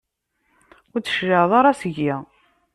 Ur d-tecliɛeḍ ara seg-i?